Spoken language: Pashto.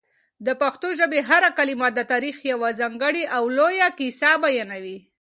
د پښتو ژبې هره کلمه د تاریخ یوه ځانګړې او لویه کیسه بیانوي.